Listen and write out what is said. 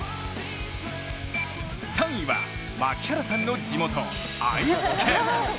３位は槙原さんの地元・愛知県。